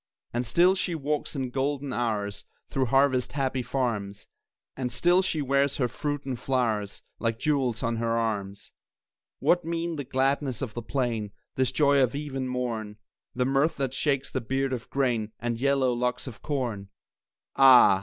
And still she walks in golden hours Through harvest happy farms, And still she wears her fruits and flowers Like jewels on her arms. What mean the gladness of the plain, This joy of eve and morn, The mirth that shakes the beard of grain And yellow locks of corn? Ah!